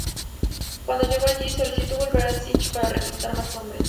Cuando llegó allí, solicitó volver a la "sich" para reclutar más hombres.